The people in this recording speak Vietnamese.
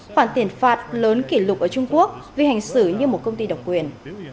khoản tiền phạt lớn kỷ lục ở trung quốc vì hành xử như một công ty độc quyền